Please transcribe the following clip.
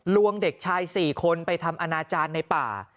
วงเด็กชาย๔คนไปทำอนาจารย์ในป่า